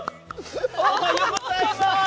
おはようございます。